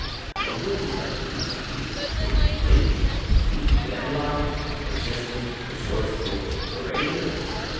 A good detective must be quick to think, keen to analyse, persistent, resourceful, courageous.